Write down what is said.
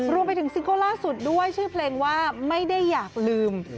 ซิงเกิลล่าสุดด้วยชื่อเพลงว่าไม่ได้อยากลืม